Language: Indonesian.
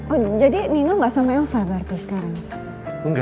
oh jadi nino nggak sama elsa berarti sekarang